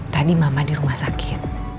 tadi mama di rumah sakit